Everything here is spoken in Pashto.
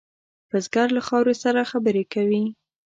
بزګر له خاورې سره خبرې کوي